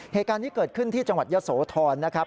เหตุการณ์นี้เกิดขึ้นที่จังหวัดยะโสธรนะครับ